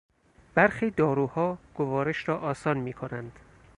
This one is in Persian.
برخی داروها گوارش را آسان میکنند.